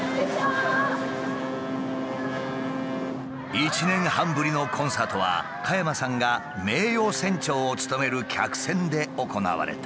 １年半ぶりのコンサートは加山さんが名誉船長を務める客船で行われた。